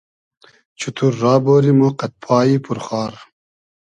چوتور را بۉری مۉ قئد پایی پور خار